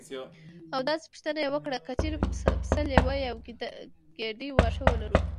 او داسې پوښتنه یې وکړه: که چېرې پسه لیوه او یوه ګېډۍ واښه ولرو.